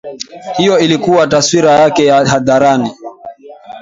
Hiyo ilikuwa taswira yake ya hadharani